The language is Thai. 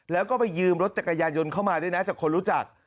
แล้วก็ไปยืมรถจักรยานยนต์เข้ามาด้วยนะจากคนรู้จัก